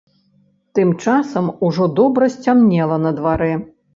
Тым часам ужо добра сцямнела на дварэ.